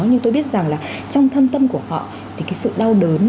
nhưng tôi biết rằng là trong thâm tâm của họ thì cái sự đau đớn